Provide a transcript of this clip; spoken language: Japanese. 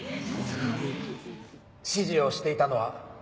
指示をしていたのは。